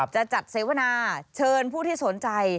จะจัดเสวนาเชิญผู้ที่สนใจ